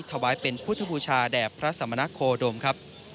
ถาวายเป็นพุทธบูชาแดบพระสำมนาคโคนมครับ